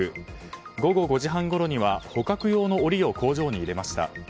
午後５時半ごろには捕獲用の檻を工場に入れました。